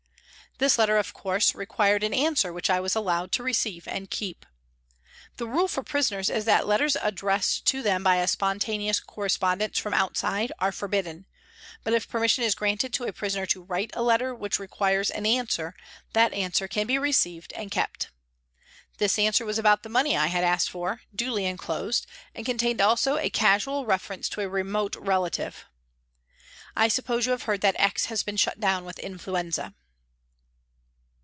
This letter, of course, required an answer which I was allowed to receive and keep. The rule for prisoners is that letters addressed to them by a spontaneous correspondence from outside are forbidden, but if permission is granted to a prisoner to write a letter which requires an answer, that answer can be received and kept. This answer was about the money I had asked for, duly enclosed, and contained also a casual reference to a remote relative. " I suppose you have heard that X. has been down with influenza."